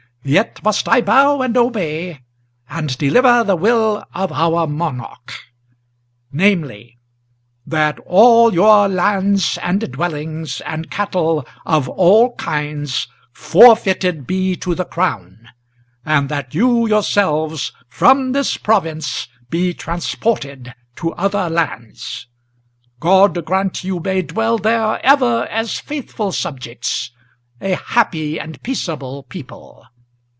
Yet must I bow and obey, and deliver the will of our monarch; Namely, that all your lands, and dwellings, and cattle of all kinds Forfeited be to the crown; and that you yourselves from this province Be transported to other lands. God grant you may dwell there Ever as faithful subjects, a happy and peaceable people!